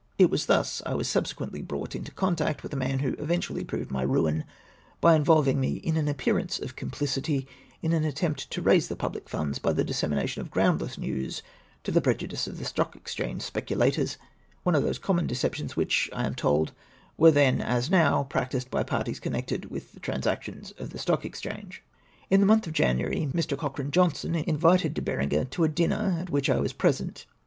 It was thus that I was subsequently brought in contact with a man who eventually proved my ruin, by in volving me in an appearance of complicity in an at tempt to raise the pubhc fimds by the dissemination of groundless news to the prejudice of the Stock Exchange specidators, one of those common decep tions which, I am told, were then, as now, practised by parties connected with the transactions of the Stock Exchange. In the month of January Mr. Cochrane Johnstone invited De Berenger to a dinner, at which I was pre sent.